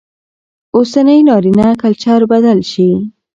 اوسنى نارينه کلچر بدل شي